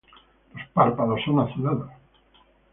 Los párpados son azulados.